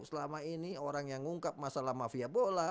selama ini orang yang ngungkap masalah mafia bola